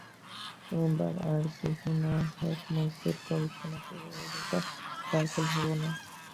এবার আর কিছু না হোক, মুক্তির কল্পনা করে অযথা ব্যাকুল হব না।